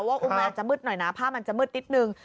อุโมงมันอาจจะมืดหน่อยนะผ้ามันจะมืดนิดนึง